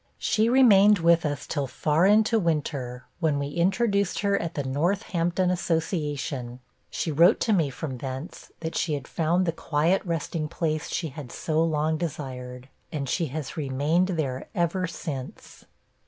'She remained with us till far into winter, when we introduced her at the Northampton Association.' .... 'She wrote to me from thence, that she had found the quiet resting place she had so long desired. And she has remained there ever since.'